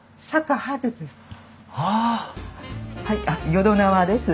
淀縄です。